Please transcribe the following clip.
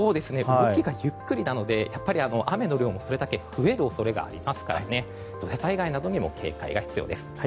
動きがゆっくりなので雨の量もそれだけ増える恐れがあるので土砂災害にも警戒が必要です。